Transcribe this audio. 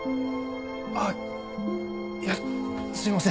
あっいやすいません。